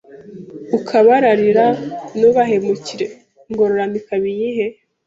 ukabararira, ntubahemukire Ingororano ikaba iyihe